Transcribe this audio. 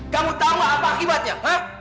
kamu tahu apa akibatnya